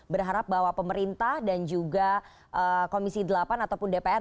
berharap bahwa pemerintah dan juga komisi delapan ataupun dpr